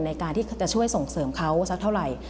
ในการที่จะช่วยส่งเสริมเขาสักเท่าไหร่